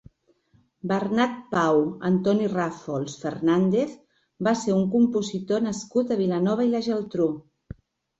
Bernat Pau Antoni Rafols Fernandez va ser un compositor nascut a Vilanova i la Geltrú.